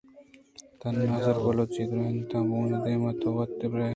تھنا(صِرف) بلوچی درونتاں بوان دیم ءَ تو وت دربر ئے